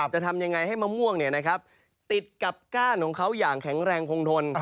จะทำยังไงให้มะม่วงติดกับก้านของเขาอย่างแข็งแรงคงทน